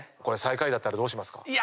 これ最下位だったらどうしますか？